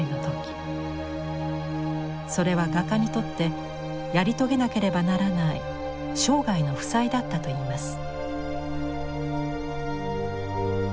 それは画家にとってやり遂げなければならない生涯の負債だったといいます。